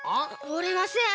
おれません！